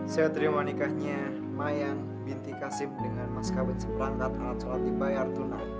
saya terima nikahnya mayang binti kasim dengan mas kabut seperangkat alat sholat dibayar tunai